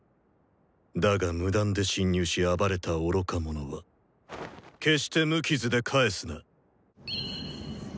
だが無断で侵入し暴れた愚か者は決して無傷で帰すな」。